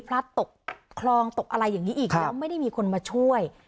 ตกคลองตกอะไรอย่างนี้อีกแล้วไม่ได้มีคนมาช่วย